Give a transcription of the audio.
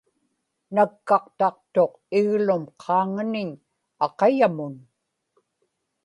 nakkaqtaqtuq iglum qaaŋaniñ aqayamun